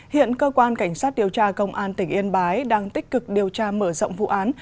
hiện cơ quan cảnh sát điều tra công an tỉnh yên bái đang tích cực điều tra mở rộng vụ án